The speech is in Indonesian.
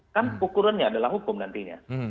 kan ukurannya adalah hukum nantinya